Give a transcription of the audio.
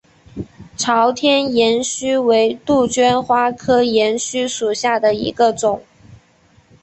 朝天岩须为杜鹃花科岩须属下的一个种。